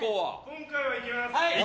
今回はいけます。